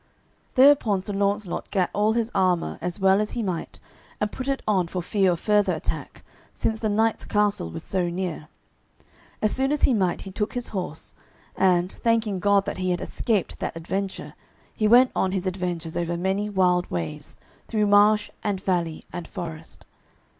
Thereupon Sir Launcelot gat all his armour as well as he might, and put it on for fear of further attack, since the knight's castle was so near. As soon as he might he took his horse, and, thanking God that he had escaped that adventure, he went on his adventures over many wild ways, through marsh and valley and forest.